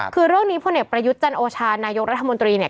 คือเรื่องนี้พลเอกประยุทธ์จันโอชานายกรัฐมนตรีเนี่ย